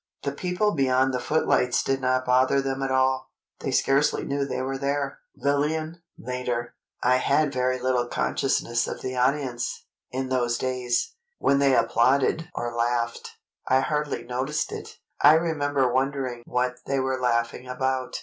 The people beyond the footlights did not bother them at all. They scarcely knew they were there. Lillian, later: "I had very little consciousness of the audience, in those days. When they applauded or laughed, I hardly noticed it. I remember wondering what they were laughing about.